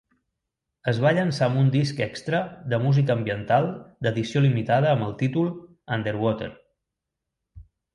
Es va llançar amb un disc extra de música ambiental d'edició limitada amb el títol "Underwater".